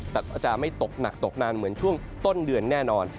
แต่ก็จะไม่ตกหนักตกนานเหมือนช่วงต้นเดือนแน่นอน